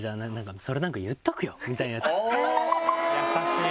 優しい！